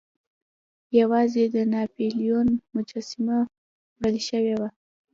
یوازې د ناپلیون مجسمه وړل شوې وه.